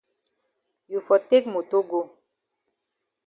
You for take moto go.